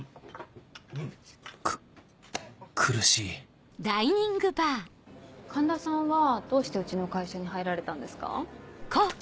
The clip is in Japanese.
く苦しい環田さんはどうしてうちの会社に入られたんですか？